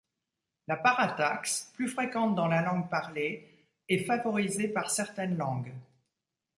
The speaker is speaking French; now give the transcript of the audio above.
La parataxe, plus fréquente dans la langue parlée, est favorisée par certaines langues.